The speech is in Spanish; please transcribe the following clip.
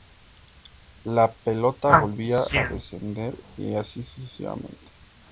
La pelota volvía a descender y así sucesivamente.